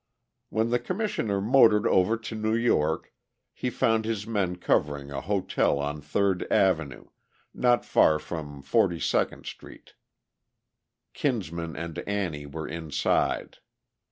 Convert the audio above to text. When the Commissioner motored over to New York, he found his men covering a hotel on Third avenue, not far from 42d street. Kinsman and Annie were inside.